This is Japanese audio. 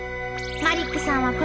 マリックさん